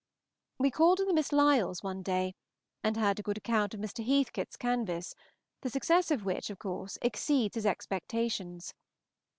We called on the Miss Lyells one day, and heard a good account of Mr. Heathcote's canvass, the success of which, of course, exceeds his expectations.